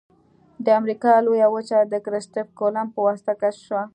د امریکا لویه وچه د کرستف کولمب په واسطه کشف شوه.